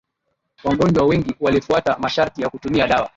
wagonjwa wengi walifuata masharti ya kutumia dawa